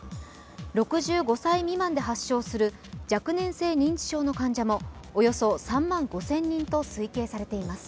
６５歳未満で発症する若年性認知症の患者もおよそ３万５０００人と推計されています。